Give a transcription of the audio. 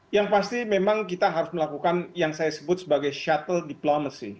yang pasti memang kita harus melakukan yang saya sebut sebagai shuttle diplomacy